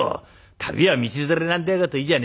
『旅は道連れ』なんてこというじゃねえか。